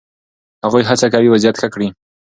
هغوی هڅه کوي وضعیت ښه کړي.